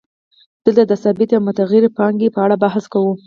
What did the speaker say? دلته د ثابتې او متغیرې پانګې په اړه بحث کوو